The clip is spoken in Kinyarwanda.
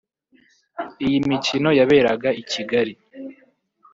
iyi mikino yaberaga i Kigali